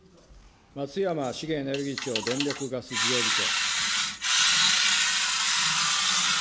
松山資源エネルギー庁電力・ガス事業部長。